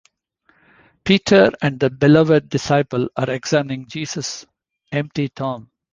Peter and the Beloved Disciple are examining Jesus's empty tomb.